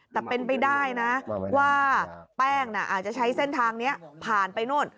แต่เป็นไปได้นะว่าแป้งอาจจะใช้เส้นทางนี้ผ่านไปโน่น